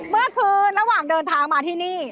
เมื่อคืนระหว่างเดินทางมาที่นี่